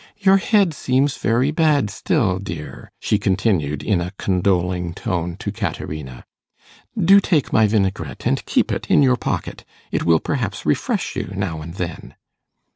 Your head seems very bad still, dear,' she continued, in a condoling tone, to Caterina; 'do take my vinaigrette, and keep it in your pocket. It will perhaps refresh you now and then.